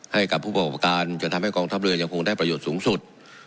ให้กับผู้ประกอบการจนทำให้กองทัพเรือยังคงได้ประโยชน์สูงสุด